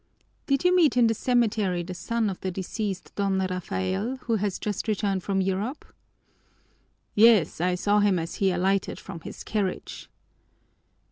"Did you meet in the cemetery the son of the deceased Don Rafael, who has just returned from Europe?" "Yes, I saw him as he alighted from his carriage."